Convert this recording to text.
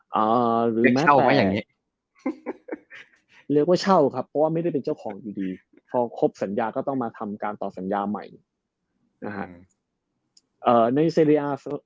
เช่าไว้อย่างนี้เรียกว่าเช่าครับเพราะว่าไม่ได้เป็นเจ้าของอยู่ดีพอครบสัญญาก็ต้องมาทำการต่อสัญญาใหม่นะฮะ